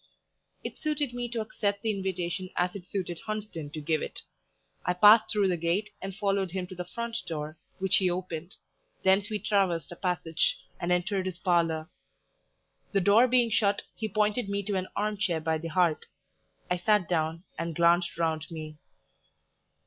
It suited me to accept the invitation as it suited Hunsden to give it. I passed through the gate, and followed him to the front door, which he opened; thence we traversed a passage, and entered his parlour; the door being shut, he pointed me to an arm chair by the hearth; I sat down, and glanced round me.